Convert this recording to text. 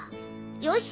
よし！